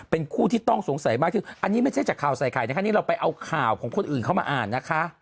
เป็นคู่ที่ต้องสงสัยมากที่อันนี้ไม่ใช่จากข่าวใส่ไข่นะคะนี่เราไปเอาข่าวของคนอื่นเข้ามาอ่านนะคะ